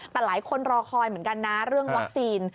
แต่หลายคนรอคอยเหมือนกันนะเรื่องวัคซีน